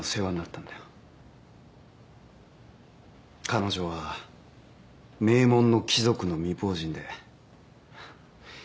彼女は名門の貴族の未亡人でははっ